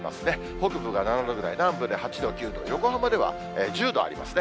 北部が７度ぐらい、南部で８度、９度、横浜では１０度ありますね。